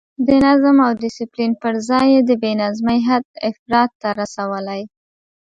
د نظم او ډسپلین پر ځای یې د بې نظمۍ حد افراط ته رسولی.